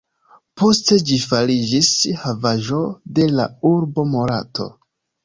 Poste ĝi fariĝis havaĵo de la urbo Morato.